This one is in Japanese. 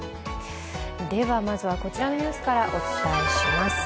まずはこちらのニュースからお伝えします。